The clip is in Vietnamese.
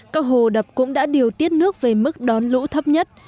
các hồ đập cũng đã điều tiết nước về mức đón lũ thấp nhất